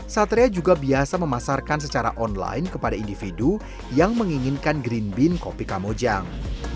satria juga biasa memasarkan secara online kepada individu yang menginginkan green bean kopi kamojang